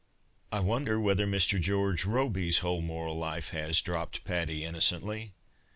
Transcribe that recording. " I wonder whether Mr. George Robey's whole moral life has,'' dropped Patty, innocently.